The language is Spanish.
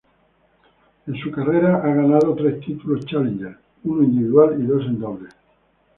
En su carrera ha ganado tres títulos Challenger, uno individual y dos en dobles.